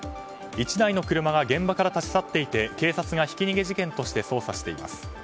１台の車が現場から立ち去っていて警察がひき逃げ事件として捜査しています。